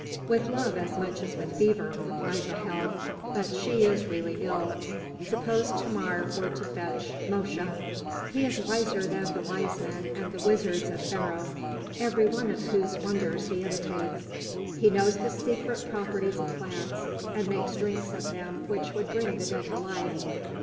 "With love as much as with fever," replied Ra'hel, "but she is really ill. Suppose Thamar were to fetch Mosche. He is wiser than the wise men and the wizards of Pharaoh, every one of whose wonders he imitates. He knows the secret properties of plants, and makes drinks of them which would bring the dead to life.